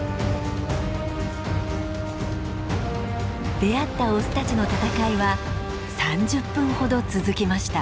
出会ったオスたちの戦いは３０分ほど続きました。